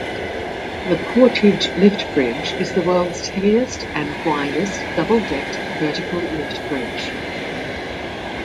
The Portage Lift Bridge is the world's heaviest and widest double-decked vertical lift bridge.